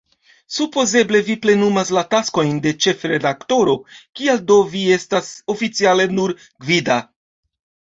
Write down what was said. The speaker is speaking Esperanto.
Supozeble vi plenumas la taskojn de ĉefredaktoro, kial do vi estas oficiale nur "gvida"?